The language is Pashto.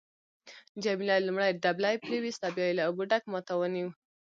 جميله لومړی دبلی پریویست او بیا یې له اوبو ډک ما ته ونیو.